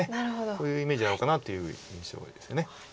こういうイメージなのかなっていう印象です。